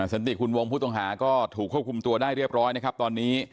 สันติคุณวงผู้ต้องหาก็ถูกควบคุมตัวได้เรียบร้อยนะครับตอนนี้